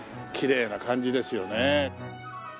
きれいな感じですよね。